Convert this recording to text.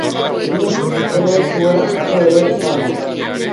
Inoiz ere ez zuela jaso ere esan du.